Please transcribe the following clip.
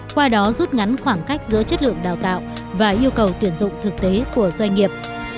qua đó rút ngắn khoảng cách giữa chất lượng đào tạo và yêu cầu tuyển dụng thực tế của doanh nghiệp